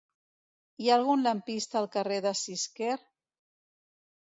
Hi ha algun lampista al carrer de Cisquer?